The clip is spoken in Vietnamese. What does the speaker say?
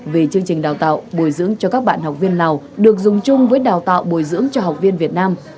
về chương trình đào tạo bồi dưỡng cho các bạn học viên lào được dùng chung với đào tạo bồi dưỡng cho học viên việt nam